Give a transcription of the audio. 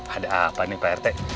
ada apa nih pak rt